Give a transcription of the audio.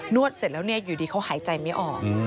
วดเสร็จแล้วอยู่ดีเขาหายใจไม่ออก